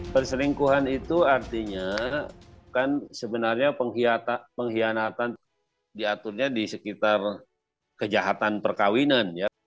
perselingkuhan itu artinya kan sebenarnya pengkhianatan diaturnya di sekitar kejahatan perkawinan ya